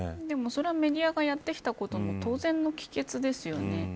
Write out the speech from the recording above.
それはメディアがやってきたことの当然の帰結ですよね。